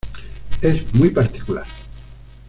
Es muy particular.